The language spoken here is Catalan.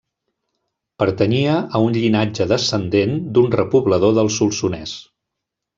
Pertanyia a un llinatge descendent d'un repoblador del Solsonès.